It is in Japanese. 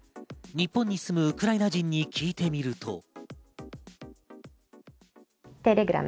日本に住むウクライナ人に聞いてみると。